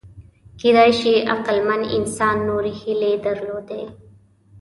کېدای شي عقلمن انسان نورې هیلې درلودې.